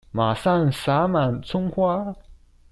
馬上灑滿蔥花